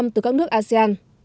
hai mươi từ các nước asean